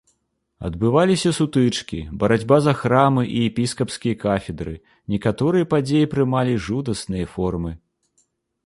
Адбываліся сутычкі, барацьба за храмы і епіскапскія кафедры, некаторыя падзеі прымалі жудасныя формы.